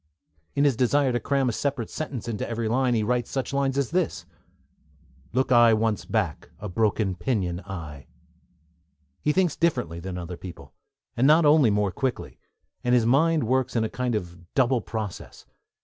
In his desire to cram a separate sentence into every line, he writes such lines as: Look I once back, a broken pinion I, He thinks differently from other people, and not only more quickly; and his mind works in a kind of double process.